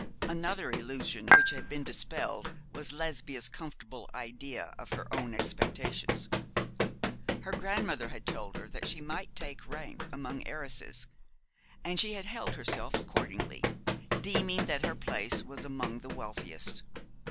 Another illusion which had been dispelled was Lesbia's comfortable idea of her own expectations. Her grandmother had told her that she might take rank among heiresses; and she had held herself accordingly, deeming that her place was among the wealthiest.